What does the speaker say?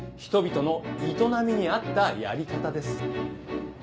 人々の営みに合ったやり方です。